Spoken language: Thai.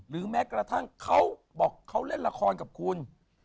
หรือแม่กระทั่งเค้าเล่นละครกับคุณ